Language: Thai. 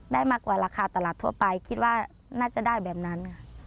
มากกว่าราคาตลาดทั่วไปคิดว่าน่าจะได้แบบนั้นค่ะ